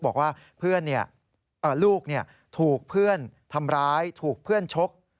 บอกว่าเพื่อนลูกถูกเพื่อนทำร้ายถูกเพื่อนชก